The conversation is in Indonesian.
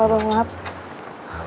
gapapa bang maaf ya mira masuk dulu